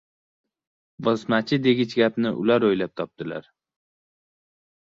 Bosmachi degich gapni ular o‘ylab topdilar.